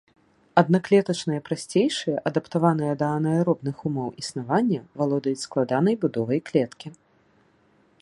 Аднаклетачныя прасцейшыя, адаптаваныя да анаэробных умоў існавання, валодаюць складанай будовай клеткі.